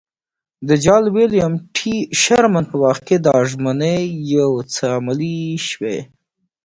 د جال ویلیم ټي شرمن په وخت کې دا ژمنې یو څه عملي شوې.